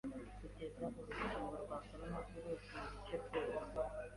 kugeza urukingo rwa coronavirus mu bice byose